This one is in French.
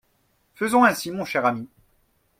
Faisons ainsi mon cher ami.